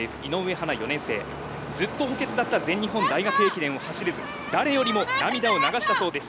葉南４年生ずっと補欠だった全日本大学駅伝を走れず誰よりも涙を流したそうです。